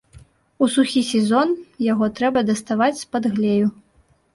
У сухі сезон яго трэба даставаць з-пад глею.